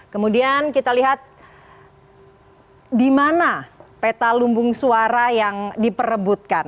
kemudian kita lihat di mana peta lumbung suara yang diperebutkan